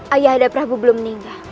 ayah ada prabu belum meninggal